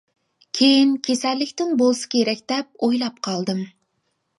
كېيىن كېسەللىكتىن بولسا كېرەك دەپ ئويلاپ قالدىم.